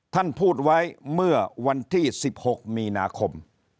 ท่านพูดไว้เมื่อวันที่๑๖มีนาคม